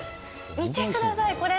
見てください、これ。